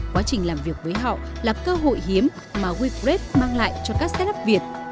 quá trình làm việc với họ là cơ hội hiếm mà wecraft mang lại cho các setup việt